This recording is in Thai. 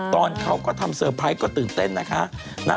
ตอนเขาก็ทำเซอร์ไพรส์ก็ตื่นเต้นนะคะ